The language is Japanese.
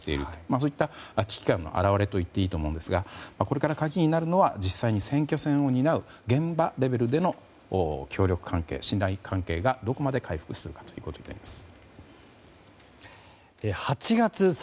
そういった危機感の表れといっていいと思うんですがこれから鍵になるのは実際に選挙戦を担う現場レベルでの協力関係信頼関係が、どこまで回復するかということになります。